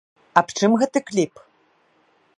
Аб чым гэты кліп?